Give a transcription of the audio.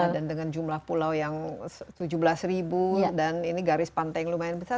dan dengan jumlah pulau yang tujuh belas ribu dan ini garis pantai yang lumayan besar